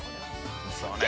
そうね。